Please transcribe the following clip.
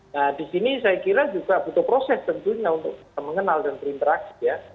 nah di sini saya kira juga butuh proses tentunya untuk bisa mengenal dan berinteraksi ya